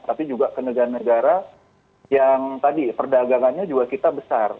tapi juga ke negara negara yang tadi perdagangannya juga kita besar